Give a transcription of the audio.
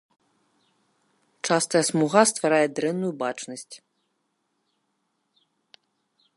Частая смуга стварае дрэнную бачнасць.